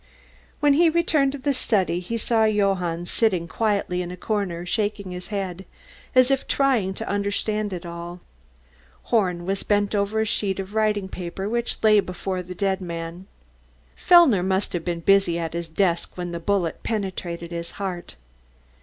When he returned to the study he saw Johann sitting quietly in a corner, shaking his head, as if trying to understand it all. Horn was bending over a sheet of writing paper which lay before the dead man. Fellner must have been busy at his desk when the bullet penetrated his heart.